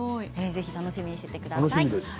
ぜひ楽しみにしていてください。